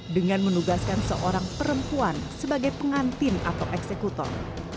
dengan menugaskan seorang perempuan sebagai pengantin atau eksekutor